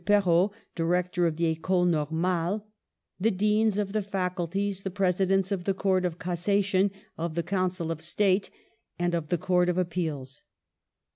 Perrot, Director of the Ecole Normale; the deans of the facul ties, the presidents of the Court of Cassation, of the Council of State and of the Court of Ap peals.